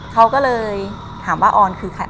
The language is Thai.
เขาก็เลยถามว่าออนคือใคร